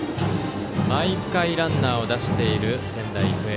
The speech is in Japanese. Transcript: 毎回ランナーを出している仙台育英。